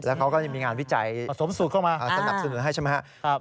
แล้วเขาก็จะมีงานวิจัยสนับสนุนให้ใช่ไหมครับ